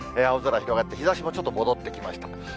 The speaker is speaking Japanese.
青空広がって、日ざしもちょっと戻ってきました。